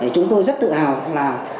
chúng tôi rất tự hào là